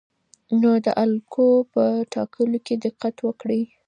نو د الګو په ټاکلو کې دقت وکړئ.